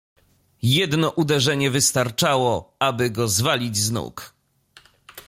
"Jedno uderzenie wystarczało, aby go zwalić z nóg."